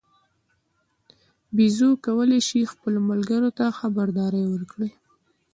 بیزو کولای شي خپلو ملګرو ته خبرداری ورکړي.